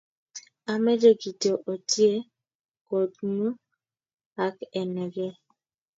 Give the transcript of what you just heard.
omeche kityo otie kootnyu ak anegei